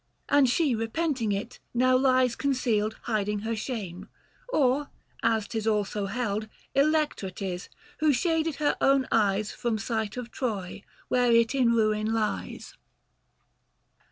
And she repenting it, now lies concealed, Hiding her shame ; or as 'tis also held Electra 'tis, who shaded her own eyes From sight of Troy, where it in ruin lies.